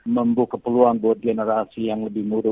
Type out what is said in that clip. membuka peluang buat generasi yang lebih muda